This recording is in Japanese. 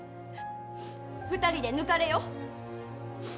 ２人で抜かれよ。